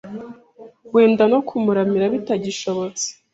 wenda no kumuramira bitagishobotse